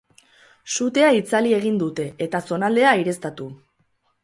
Sutea itzali egin dute, eta zonaldea aireztatu.